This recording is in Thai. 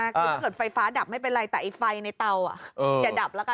คือถ้าเกิดไฟฟ้าดับไม่เป็นไรแต่ไอ้ไฟในเตาอย่าดับแล้วกัน